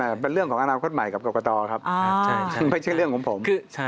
เป็นเรื่องของอนาคตใหม่กับกรกตครับไม่ใช่เรื่องของผม